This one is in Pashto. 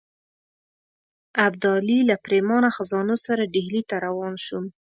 ابدالي له پرېمانه خزانو سره ډهلي ته روان شو.